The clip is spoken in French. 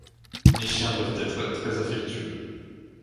Mes chiens doivent être très affectueux.